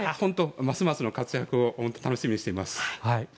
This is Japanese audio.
ますますの活躍を楽しみにしています。